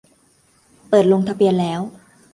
เปิดลงทะเบียนแล้ว